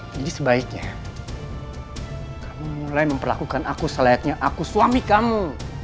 jadi sebaiknya kamu mulai memperlakukan aku selayaknya aku suami kamu